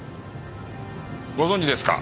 ご存じですか？